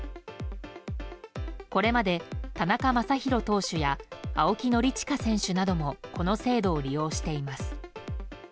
これまで田中将大投手や青木宣親選手などもこの制度を利用しています。